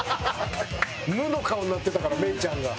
無の顔になってたから芽郁ちゃんが。